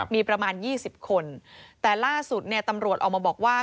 มีประมาณ๒๐คนแต่ล่าสุดเนี่ยตำรวจออกมาบอกว่า